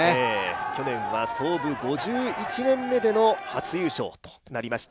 去年は創部５１年目での初優勝となりました。